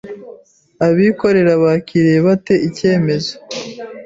Abikorera bakiriye bate icyemezo